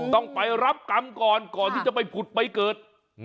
ต้องไปรับกรรมก่อนก่อนที่จะไปผุดไปเกิด